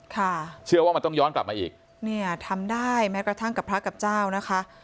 ค่ะเชื่อว่ามันต้องย้อนกลับมาอีกเนี่ยทำได้แม้กระทั่งกับพระกับเจ้านะคะ